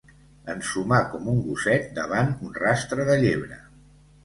Ensumar com un gosset davant un rastre de llebre.